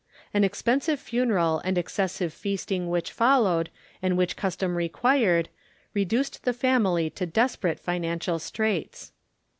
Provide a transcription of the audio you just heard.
An expensive funeral and excessive feasting which followed and which custom required reduced the family to desperate financial straits.